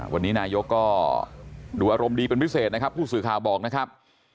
วันนี้นายกก็ดูอารมณ์ดีเป็นพิเศษนะครับผู้สื่อข่าวบอกนะครับ